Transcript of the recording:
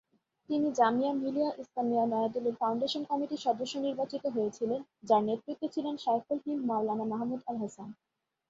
তিনি জামিয়া মিলিয়া ইসলামিয়া, নয়াদিল্লির ফাউন্ডেশন কমিটির সদস্য নির্বাচিত হয়েছিলেন, যার নেতৃত্বে ছিলেন শায়খুল হিন্দ মাওলানা মাহমুদ আল-হাসান।